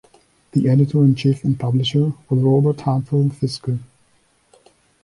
The editor-in-chief and publisher was Robert Hartwell Fiske.